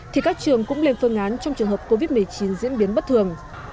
thì các trường cũng lên phương án trong trường hợp covid một mươi chín diễn biến bất thường